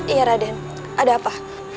iya raden ada apa